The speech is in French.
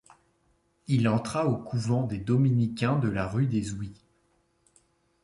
Il entra au couvent des dominicains de la rue des Ouies.